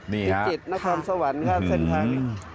นี่ครับ